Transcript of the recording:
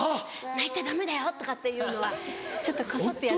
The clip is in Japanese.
泣いちゃダメだよ」とかっていうのはちょっとこそっと。